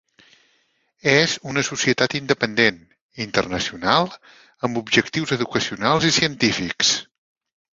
És una societat independent, internacional, amb objectius educacionals i científics.